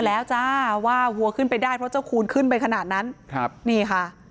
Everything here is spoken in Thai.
แล้วจ้าว่าวัวขึ้นไปได้เพราะเจ้าคูณขึ้นไปขนาดนั้นครับนี่ค่ะ